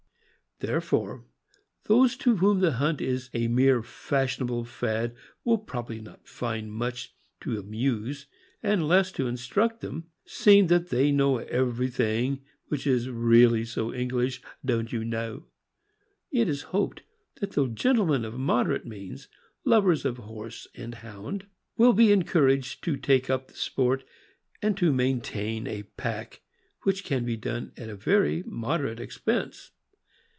Therefore, those to whom the hunt is a mere fashionable fad, will probably not find much to amuse and less to instruct them, seeing that they know everything which is "really so English, don't you know," It is hoped that gentle men of moderate means, lovers of horse and hound, will be encouraged to take up the sport and to maintain a pack, which can be done at a very moderate expense.